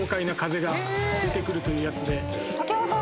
竹山さん